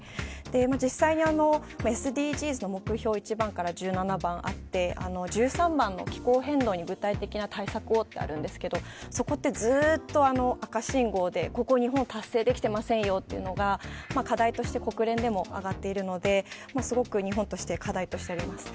実際にＳＤＧｓの目標、１番から１７番あって１３番の気候変動に具体的な対策をってあるんですけどそこって、ずっと赤信号で、ここ、日本は達成できていませんよというのが課題として国連でも上がっているので、すごく日本として課題とされます。